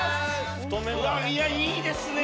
いやいいですねぇ。